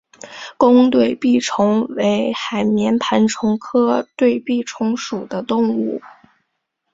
弓对臂虫为海绵盘虫科对臂虫属的动物。